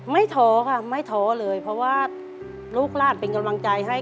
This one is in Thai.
ท้อค่ะไม่ท้อเลยเพราะว่าลูกหลานเป็นกำลังใจให้